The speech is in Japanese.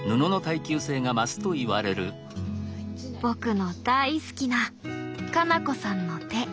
僕の大好きな花菜子さんの手。